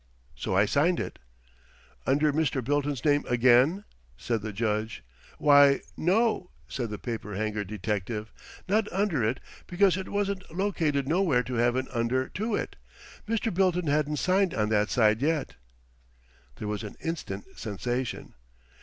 So I signed it." "Under Mr. Bilton's name again?" said the Judge. "Why, no," said the paper hanger detective. "Not under it, because it wasn't located nowhere to have an under to it. Mr. Bilton hadn't signed on that side yet." There was an instant sensation.